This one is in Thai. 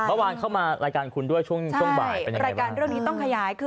เมื่อวานเข้ามารายการคุณด้วยช่วงบ่ายเป็นยังไงบ้าง